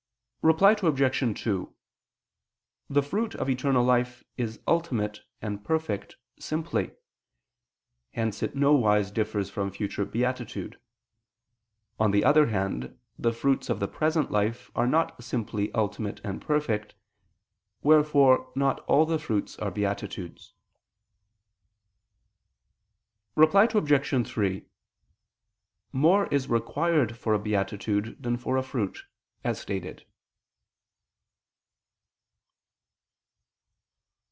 Reply Obj. 2: The fruit of eternal life is ultimate and perfect simply: hence it nowise differs from future beatitude. On the other hand the fruits of the present life are not simply ultimate and perfect; wherefore not all the fruits are beatitudes. Reply Obj. 3: More is required for a beatitude than for a fruit, as stated.